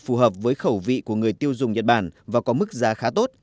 phù hợp với khẩu vị của người tiêu dùng nhật bản và có mức giá khá tốt